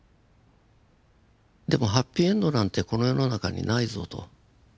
でもハッピーエンドなんてこの世の中にないぞと。